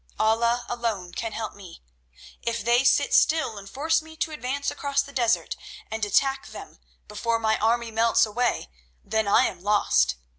Allah alone can help me. If they sit still and force me to advance across the desert and attack them before my army melts away, then I am lost.